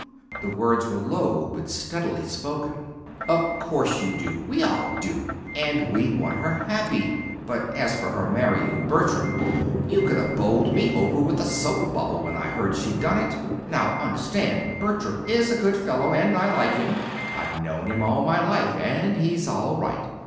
The words were low, but steadily spoken. "Of course you do! We all do. And we want her happy. But as for her marrying Bertram you could have bowled me over with a soap bubble when I heard she'd done it. Now understand: Bertram is a good fellow, and I like him. I've known him all his life, and he's all right.